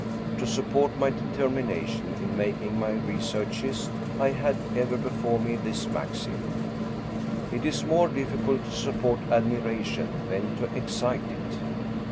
To support my determination in making my researches, I had ever before me this maxim : It is more difficult to support admiration than to excite it.